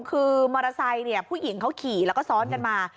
คือมอเตอร์ไซค์ผู้หญิงเขาขี่แล้วก็ซ้อนกันมา